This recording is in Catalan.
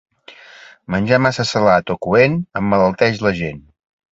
Menjar massa salat o coent emmalalteix la gent.